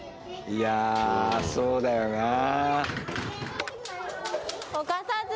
いや、そうだよなあ。